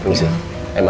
tunggu sebentar ayo ma